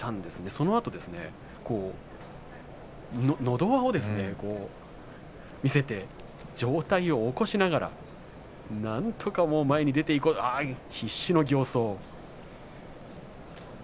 そのあとのど輪を見せて上体を起こしながらなんとか前に出ていこうと必死の形相。